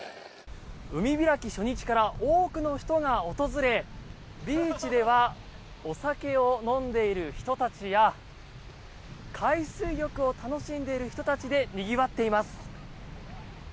海開き初日から多くの人が訪れビーチではお酒を飲んでいる人たちや海水浴を楽しんでいる人たちでにぎわっています。